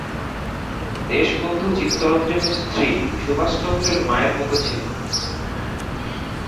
দেশবিন্ধু চিত্তরঞ্জনের স্ত্রী সুভাষচন্দ্রের মায়ের মতো ছিলেন।